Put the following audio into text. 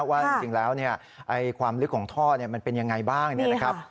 ว่าจริงแล้วความลึกของท่อมันเป็นยังไงบ้างเนี่ยนะครับ